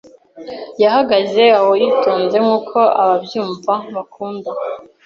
Yahagaze aho yitonze nkuko ababyumva bakunda